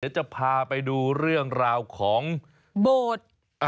เดี๋ยวจะพาไปดูเรื่องราวของโบสถ์